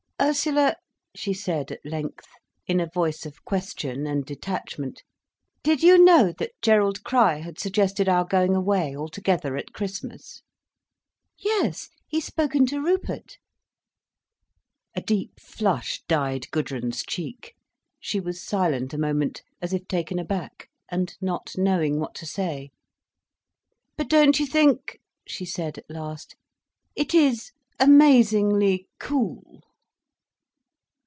"Ursula," she said at length, in a voice of question and detachment, "did you know that Gerald Crich had suggested our going away all together at Christmas?" "Yes, he's spoken to Rupert." A deep flush dyed Gudrun's cheek. She was silent a moment, as if taken aback, and not knowing what to say. "But don't you think," she said at last, "it is _amazingly cool!